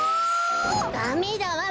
ダメだわべ。